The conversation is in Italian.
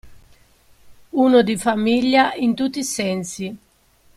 Uno di famiglia in tutti i sensi.